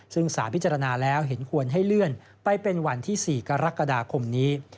ซึ่งสารพิจารณาแล้วเห็นควรให้เลื่อนไปเป็นวันที่๔กรกฎาคมนี้